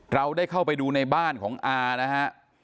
เราได้เข้าไปดูในบ้านของอานะฮะ